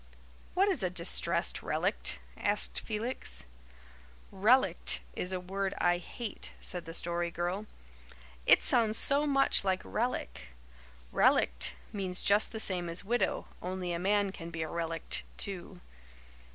"What is a 'distressed relict'?" asked Felix. "'Relict' is a word I hate," said the Story Girl. "It sounds so much like relic. Relict means just the same as widow, only a man can be a relict, too."